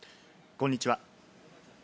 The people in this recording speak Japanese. こんにちは。